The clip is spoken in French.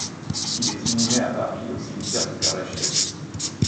Il est inhumé à Paris au cimetière du Père-Lachaise.